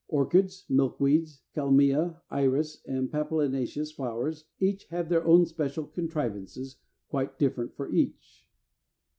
Orchids, Milkweeds, Kalmia, Iris, and papilionaceous flowers each have their own special contrivances, quite different for each.